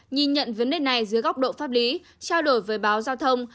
nhìn nhận vấn đề này dưới góc độ pháp lý trao đổi với báo giao thông